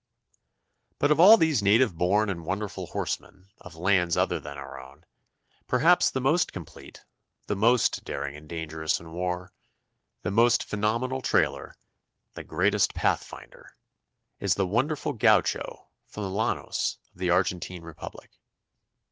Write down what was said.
But of all these native born and wonderful horsemen of lands other than our own, perhaps the most complete, the most daring and dangerous in war, the most phenomenal trailer, the greatest pathfinder, is the wonderful Gaucho from the llanos of the Argentine Republic.